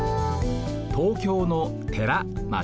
東京の寺町。